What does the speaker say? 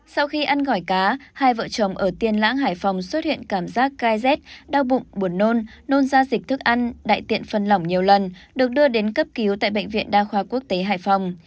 sau khi ăn gỏi cá hai vợ chồng ở tiên lãng hải phòng xuất hiện cảm giác cai rét đau bụng buồn nôn nôn ra dịch thức ăn đại tiện phân lỏng nhiều lần được đưa đến cấp cứu tại bệnh viện đa khoa quốc tế hải phòng